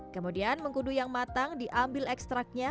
kemudian mengkudu yang matang diambil ekstraknya